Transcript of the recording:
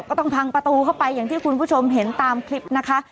ก็ต้องพังประตูเข้าไปอย่างที่คุณผู้ชมเห็นตามคลิปนะคะ